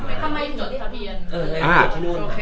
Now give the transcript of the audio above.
แล้วทำไมทำไมจดทะเบียน